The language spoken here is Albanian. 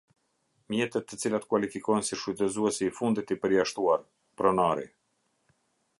Mjetet të cilat kualifikohen si shfrytëzuesi i fundit i përjashtuar - pronari.